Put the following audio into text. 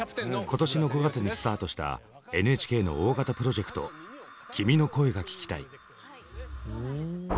今年の５月にスタートしたＮＨＫの大型プロジェクト「君の声が聴きたい」。